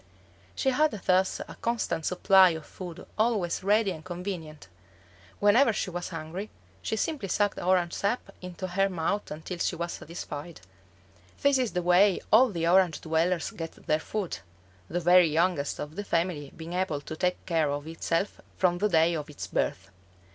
She had thus a constant supply of food always ready and convenient; whenever she was hungry she simply sucked orange sap into her mouth until she was satisfied. This is the way all the Orange dwellers get their food, the very youngest of the family being able to take care of itself from the day of its birth.